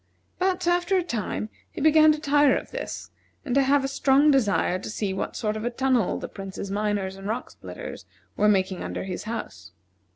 But, after a time, he began to tire of this, and to have a strong desire to see what sort of a tunnel the Prince's miners and rock splitters were making under his house.